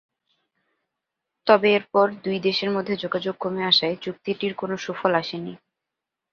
তবে এরপর দুই দেশের মধ্যে যোগাযোগ কমে আসায় চুক্তিটির কোনো সুফল আসেনি।